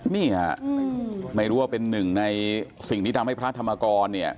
นี่ฮะไม่รู้ว่าเป็นหนึ่งในสิ่งที่ทำให้พระธรรมกรเนี่ย